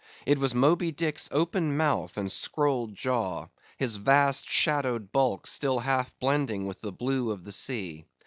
It was Moby Dick's open mouth and scrolled jaw; his vast, shadowed bulk still half blending with the blue of the sea.